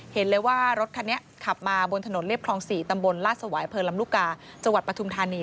เห็นเลยว่ารถคันนี้ขับมาบนถนนเรียบคลอง๔ตำบลลาดสวายเผลอลำลูกกาจังหวัดปฐุมธานี